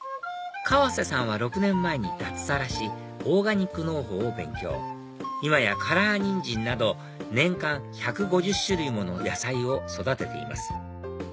川瀬さんは６年前に脱サラしオーガニック農法を勉強今やカラーニンジンなど年間１５０種類もの野菜を育てています